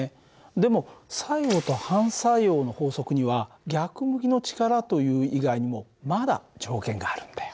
でも作用と反作用の法則には逆向きの力という以外にもまだ条件があるんだよ。